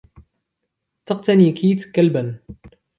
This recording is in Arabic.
تقتني كيت كلباً.